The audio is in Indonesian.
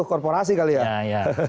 korporasi kali ya